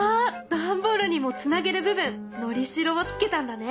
段ボールにもつなげる部分のりしろを付けたんだね。